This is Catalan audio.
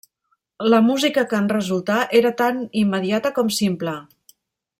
La música que en resultà era tant immediata com simple.